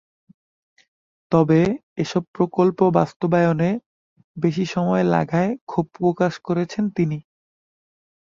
তবে এসব প্রকল্প বাস্তবায়নে বেশি সময় লাগায় ক্ষোভ প্রকাশ করেছেন তিনি।